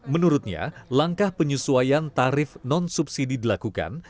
menurutnya langkah penyesuaian tarif non subsidi dilakukan